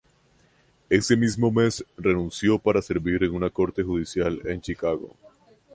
Ese mismo mes renunció para servir en una Corte judicial en Chicago.